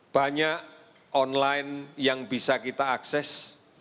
banyak online yang bisa kita akses